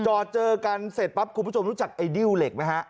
จอดเจอกันเสร็จปั๊บคุณผู้ชมรู้จักไอ้ดิ้วเหล็กไหมฮะ